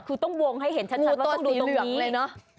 คือต้องวงให้เห็นชัดว่าต้องดูตรงนี้